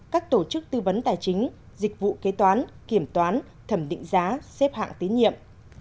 các tổ chức tư vấn tài chính dịch vụ kế toán kiểm toán thẩm định giá xếp hạng tín nhiệm